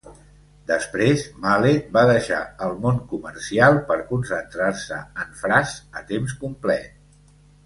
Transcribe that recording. Després, Mallett va deixar el món comercial per concentrar-se en Frazz a temps complet.